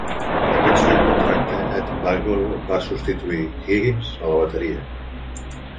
En aquest segon contracte Ed Blackwell va substituir Higgins a la bateria.